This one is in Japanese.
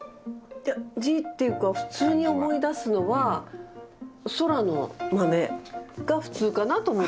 いや字っていうか普通に思い出すのは空の豆が普通かなと思ってた。